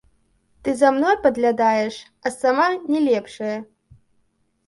Ты за мной падглядаеш, а сама не лепшая.